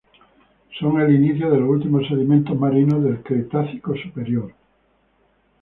Son el inicio de los últimos sedimentos marinos del Cretácico Superior.